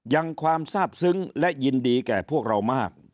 ความทราบซึ้งและยินดีแก่พวกเรามาก